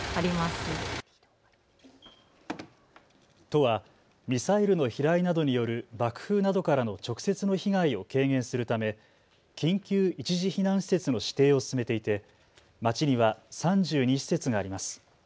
都はミサイルの飛来などによる爆風などからの直接の被害を軽減するため緊急一時避難施設の指定を進めていて町には３２施設があります。